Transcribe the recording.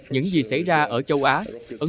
những gì xảy ra ở châu á